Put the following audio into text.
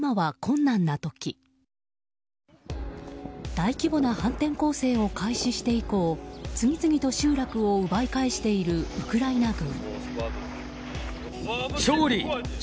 大規模な反転攻勢を開始して以降次々と集落を奪い返しているウクライナ軍。